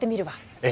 ええ。